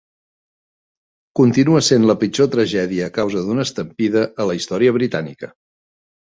Continua sent la pitjor tragèdia a causa d'una estampida a la història britànica.